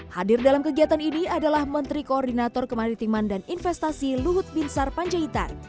hadir dalam kegiatan ini adalah menteri koordinator kemaritiman dan investasi luhut binsar panjaitan